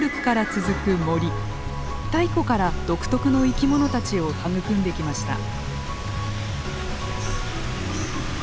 太古から独特の生き物たちを育んできました。